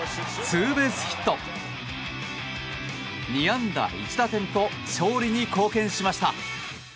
２安打１打点と勝利に貢献しました。